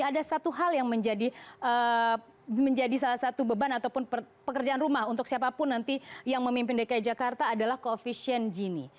ada satu hal yang menjadi salah satu beban ataupun pekerjaan rumah untuk siapapun nanti yang memimpin dki jakarta adalah koefisien gini